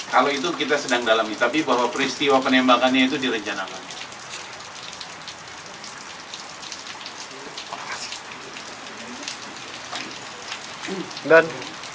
kalau itu kita sedang dalami tapi bahwa peristiwa penembakannya itu direncanakan